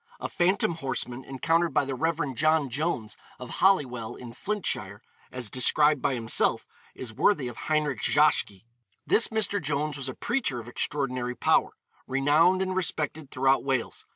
A phantom horseman, encountered by the Rev. John Jones, of Holywell, in Flintshire, as described by himself, is worthy of Heinrich Zschokke. This Mr. Jones was a preacher of extraordinary power, renowned and respected throughout Wales.